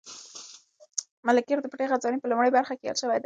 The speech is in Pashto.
ملکیار د پټې خزانې په لومړۍ برخه کې یاد شوی دی.